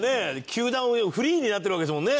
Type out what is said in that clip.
球団をフリーになってるわけですもんね。